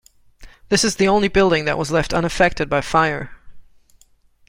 This is the only building that was left unaffected by fire.